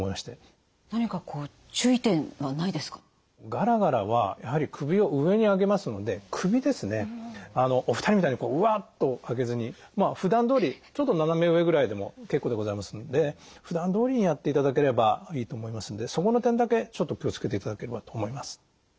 ガラガラはやはり首を上に上げますので首ですねお二人みたいにうわっと上げずにふだんどおりちょっと斜め上ぐらいでも結構でございますのでふだんどおりにやっていただければいいと思いますのでそこの点だけちょっと気を付けていただければと思います。